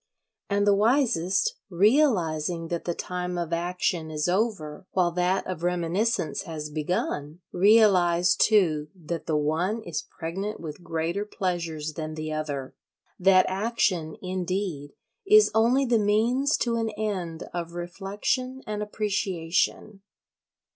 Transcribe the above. And the wisest, realising that the time of action is over while that of reminiscence has begun, realise too that the one is pregnant with greater pleasures than the other—that action, indeed, is only the means to an end of reflection and appreciation.